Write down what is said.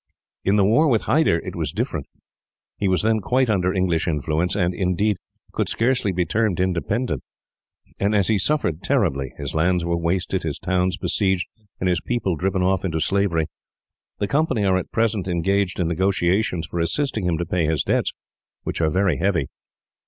"In the war with Hyder it was different. He was then quite under English influence, and, indeed, could scarcely be termed independent. And as he suffered terribly his lands were wasted, his towns besieged, and his people driven off into slavery the Company are at present engaged in negotiations for assisting him to pay his debts, which are very heavy.